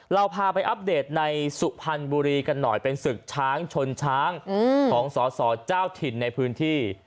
เราพาไปอัปเดตในสุพรรณบุรีกันหน่อยเป็นศึกช้างชนช้างของสอสอเจ้าถิ่นในพื้นที่